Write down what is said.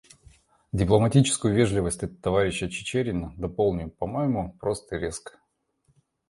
Дипломатическую вежливость товарища Чичерина дополню по-моему — просто и резко.